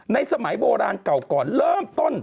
สมัยโบราณเก่าก่อนเริ่มต้น